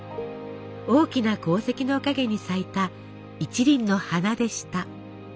大きな功績の陰に咲いた１輪の花でした。